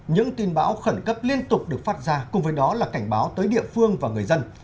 những tin bão khẩn cấp liên tục được phát ra cùng với đó là cảnh báo tới địa phương và người dân